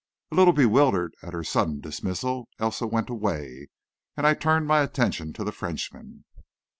A little bewildered at her sudden dismissal, Elsa went away, and I turned my attention to the Frenchman.